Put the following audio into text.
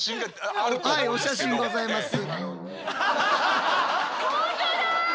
はいお写真ございます。